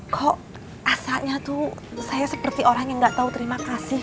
kok asalnya tuh saya seperti orang yang gak tahu terima kasih